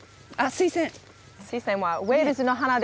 スイセンはウェールズの花です。